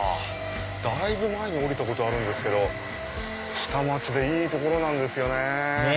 だいぶ前に降りたことあるんですけど下町でいい所なんですよね。